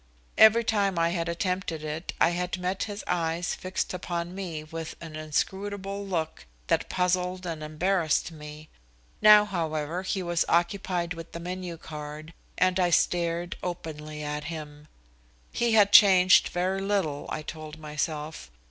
Every time I had attempted it I had met his eyes fixed upon me with an inscrutable look that puzzled and embarrassed me. Now, however, he was occupied with the menu card, and I stared openly at him. He had changed very little, I told myself.